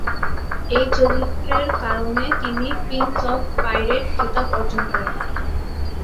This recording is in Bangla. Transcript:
এই চরিত্রের কারণে তিনি প্রিন্স অফ পাইরেট খেতাব অর্জন করেন।